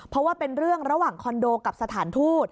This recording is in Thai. เพราะว่าเป็นเรื่องระหว่างคอนโดกับสถานทูต